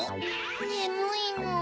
ねむいの。